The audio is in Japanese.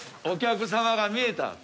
お客様が見えた。